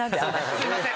すいません。